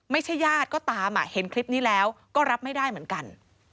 ญาติก็ตามเห็นคลิปนี้แล้วก็รับไม่ได้เหมือนกัน